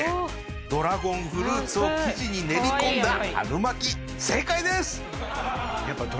ドラゴンフルーツを生地に練りこんだ春巻き正解です！